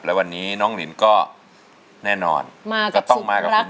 แล้ววันนี้น้องลิ้นก็แน่นอนจะต้องมากับคุณแม่